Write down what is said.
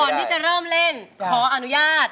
ก่อนที่จะเริ่มเล่นขออนุญาต